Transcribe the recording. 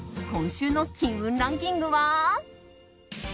今週の金運ランキングは。